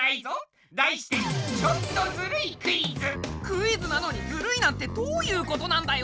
題してクイズなのにずるいなんてどういうことなんだよ